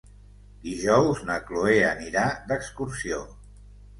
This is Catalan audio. Dijous na Cloè anirà d'excursió.